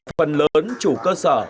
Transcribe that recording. phần lớn chủ cơ sở